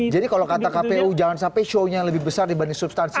jadi kalau kata kpu jangan sampai show nya lebih besar dibanding substansi